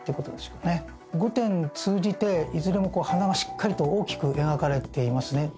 ５点通じていずれも鼻がしっかりと大きく描かれていますね。